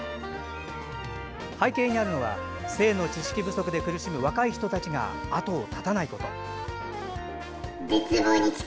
背景にあるのは性の知識不足で苦しむ若い人たちがあとを絶たないこと。